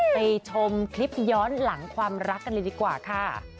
ไปชมคลิปย้อนหลังความรักกันเลยดีกว่าค่ะ